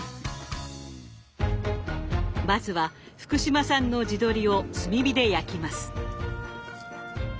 まずは福島産の地鶏を炭火で焼きます。